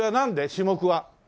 種目は？